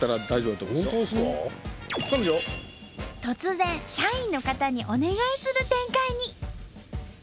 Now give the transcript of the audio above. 突然社員の方にお願いする展開に！